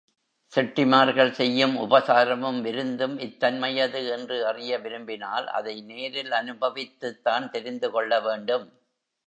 செட்டிமார்கள் செய்யும் உபசாரமும் விருந்தும் இத்தன்மையது என்று அறிய விரும்பினால், அதை நேரில் அனுபவித்துத்தான் தெரிந்து கொள்ள வேண்டும்.